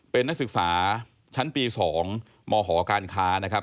เป็นนักศึกษาชั้นปี๒มหการค้านะครับ